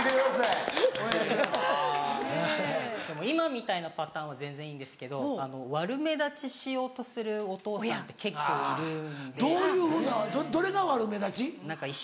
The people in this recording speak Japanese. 今みたいなパターンは全然いいんですけど悪目立ちしようとするお父さんって結構いるんで。